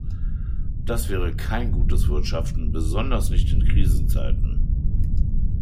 Das wäre kein gutes Wirtschaften, besonders nicht in Krisenzeiten.